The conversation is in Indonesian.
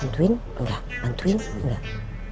bantuin nggak bantuin nggak